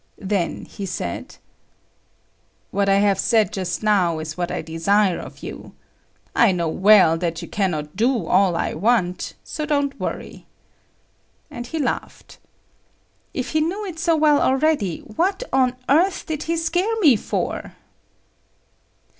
Then he said; "What I have said just now is what I desire of you. I know well that you cannot do all I want. So don't worry." And he laughed. If he knew it so well already, what on earth did he scare me for?